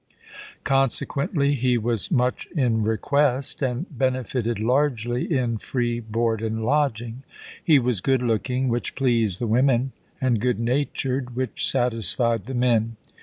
Consequently, he was much in request, and benefited largely in free board and lodging. He was good looking, which pleased the women, and good natured, which satisfied the men.